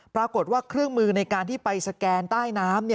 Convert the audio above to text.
ปรากฏว่าเครื่องมือในการที่ไปสแกนใต้น้ำ